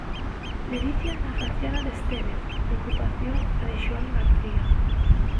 Ledicia na faciana de Estévez, preocupación na de Xoán García...